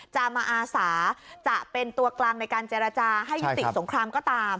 จะมาอาสาจะเป็นตัวกลางในการเจรจาให้ยุติสงครามก็ตาม